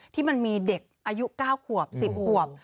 ที่มันมีเด็กอายุ๙ขวบ๑๐ขวบ